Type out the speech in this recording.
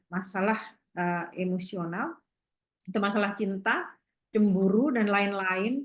masalah emosional itu masalah cinta cemburu dan lain lain